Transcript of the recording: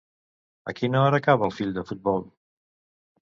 A quina hora acaba el fill de futbol?